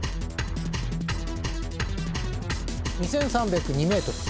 ２，３０２ｍ。